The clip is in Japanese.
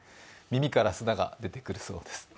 耳から砂が出てくるそうです。